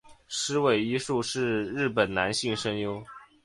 矢尾一树是日本男性声优。